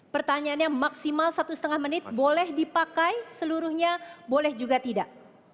pertanyaannya maksimal satu setengah menit boleh dipakai seluruhnya boleh juga tidak